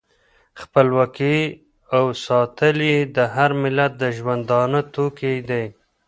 خپلواکي او ساتل یې د هر ملت د ژوندانه توکی دی.